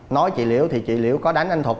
nói chị liễu thì chị liễu có đánh anh thuật